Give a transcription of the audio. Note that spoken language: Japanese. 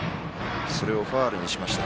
それをファウルにしました。